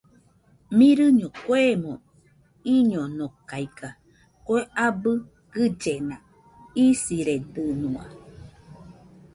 Mɨrɨño kuemo iñonokaiga kue abɨ gɨllena isiredɨnua.